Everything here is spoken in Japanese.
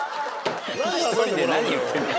１人で何言ってんの。